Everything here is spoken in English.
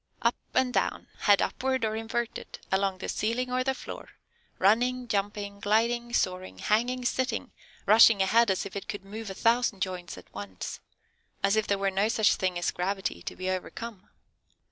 Up and down, head upward or inverted, along the ceiling, or the floor, running, jumping, gliding, soaring, hanging, sitting, rushing ahead as if it could move a thousand joints at once, as if there were no such thing as gravity to be overcome."